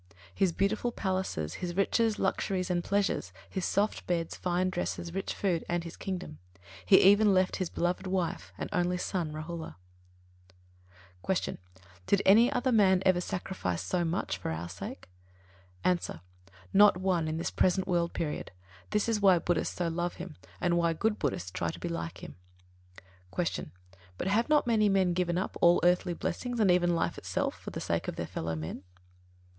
His beautiful palaces, his riches, luxuries and pleasures, his soft beds, fine dresses, rich food, and his kingdom; he even left his beloved wife and only son, Rāhula. 31. Q. Did any other man ever sacrifice so much for our sake? A. Not one in this present world period: this is why Buddhists so love him, and why good Buddhists try to be like him. 32. Q. _But have not many men given up all earthly blessings, and even life itself, for the sake of their fellow men?